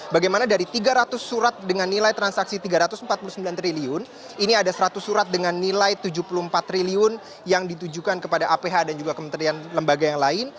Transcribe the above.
bagaimana dari tiga ratus surat dengan nilai transaksi rp tiga ratus empat puluh sembilan triliun ini ada seratus surat dengan nilai rp tujuh puluh empat triliun yang ditujukan kepada aph dan juga kementerian lembaga yang lain